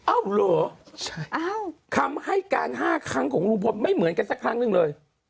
เหรอคำให้การ๕ครั้งของลุงพลไม่เหมือนกันสักครั้งหนึ่งเลย